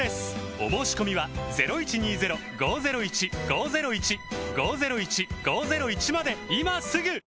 お申込みは今すぐ！